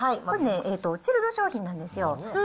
これね、チルド商品なんですよ。